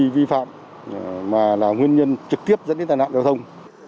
vi phạm mà là nguyên nhân trực tiếp dẫn đến tai nạn giao thông